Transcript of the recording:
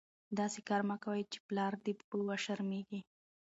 داسي کار مه کوئ، چي پلار دي په وشرمېږي.